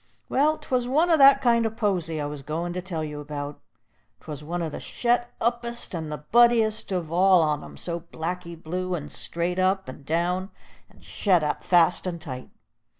"Well, 'twas one o' that kind o' posy I was goin' to tell you about. 'Twas one o' the shet uppest and the buddiest of all on 'em, all blacky blue and straight up and down, and shet up fast and tight.